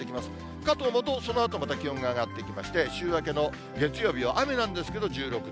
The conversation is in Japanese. かと思うと、そのあとまた気温が上がってきまして、週明けの月曜日は雨なんですけど、１６度。